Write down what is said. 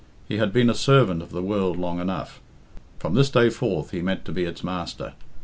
He had been a servant of the world long enough. From this day forth he meant to be its master.